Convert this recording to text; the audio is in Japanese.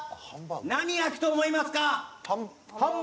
何焼くと思いますか？